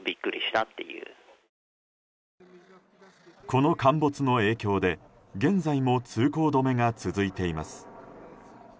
この陥没の影響で現在も通行止めが続いています。